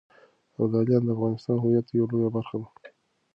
ابداليان د افغانستان د هویت يوه لويه برخه ده.